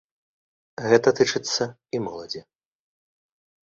Гэта тычыцца і моладзі.